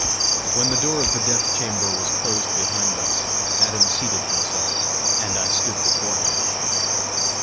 When the door of the death chamber was closed behind us, Adam seated himself, and I stood before him.